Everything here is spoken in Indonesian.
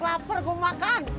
laper gue mau makan